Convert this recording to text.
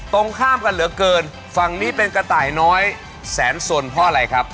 ตรงข้ามกันเหลือเกินฝั่งนี้เป็นกระต่ายน้อยแสนสนเพราะอะไรครับ